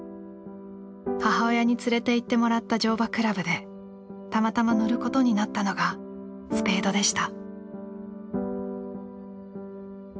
母親に連れていってもらった乗馬倶楽部でたまたま乗ることになったのがスペードでした。